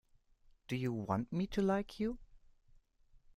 Do you want me to like you?